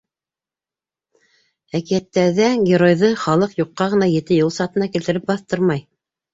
Әкиәттәрҙә геройҙы халыҡ юҡҡа ғына ете юл сатына килтереп баҫтырмай.